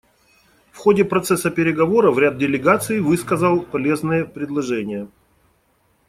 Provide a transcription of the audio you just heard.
В ходе процесса переговоров ряд делегаций высказал полезные предложения.